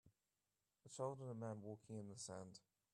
A child and a man walking in the sand.